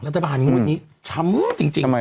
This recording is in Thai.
รัฐบาลงวดนี้ช้ำจริง